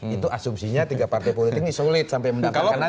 itu asumsinya tiga partai politik ini sulit sampai mendatangkan nanti